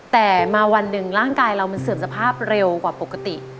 แต่มาวันหนึ่งร่างกายเรามันเสื่อมสภาพเร็วกว่าปกติ